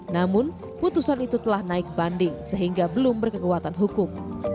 namun putusan itu telah naik banding sehingga belum berkekuatan hukum